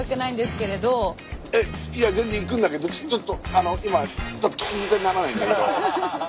いや全然行くんだけどちょっとあの今聞き捨てならないんだけど。